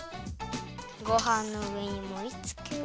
ごはんのうえにもりつける。